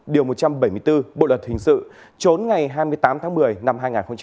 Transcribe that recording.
điều một trăm bảy mươi bốn bộ luật hình sự trốn ngày hai mươi tám tháng một mươi năm hai nghìn một mươi năm